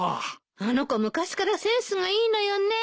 あの子昔からセンスがいいのよね。